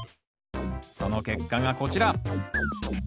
その結果がこちら。